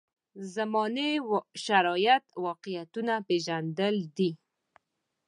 زمانې شرایط واقعیتونه پېژندل دي.